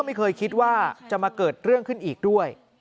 ไม่เคยคิดว่าจะมาเกิดเรื่องขึ้นอีกด้วย